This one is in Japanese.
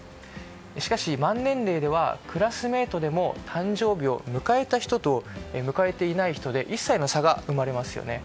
しかし、満年齢ではクラスメートでも誕生日を迎えた人と迎えていない人で１歳の差が生まれますよね。